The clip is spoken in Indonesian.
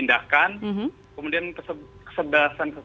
adiknya dan biceps ya kan